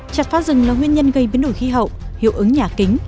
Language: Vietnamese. chặt phá rừng là nguyên nhân gây biến đổi khí hậu hiệu ứng nhà kính